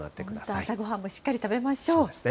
本当、朝ごはんもしっかり食べましょう。